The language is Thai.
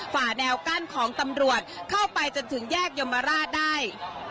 ฝ่าแนวกั้นของตำรวจเข้าไปจนถึงแยกยมราชได้